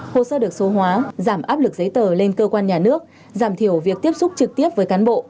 hồ sơ được số hóa giảm áp lực giấy tờ lên cơ quan nhà nước giảm thiểu việc tiếp xúc trực tiếp với cán bộ